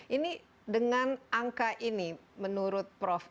ini dengan angka ini menurut prof